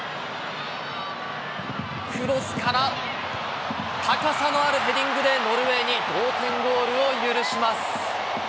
クロスから高さのあるヘディングでノルウェーに同点ゴールを許します。